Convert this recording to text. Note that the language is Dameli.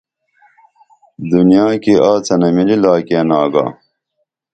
دنیا کی آڅنہ مِلی لاکین آگا